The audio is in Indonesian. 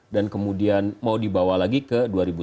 dan kemudian mau dibawa lagi ke dua ribu sembilan belas